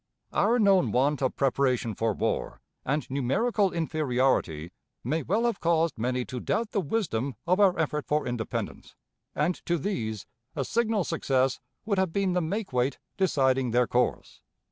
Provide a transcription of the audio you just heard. Our known want of preparation for war and numerical inferiority may well have caused many to doubt the wisdom of our effort for independence, and to these a signal success would have been the makeweight deciding their course.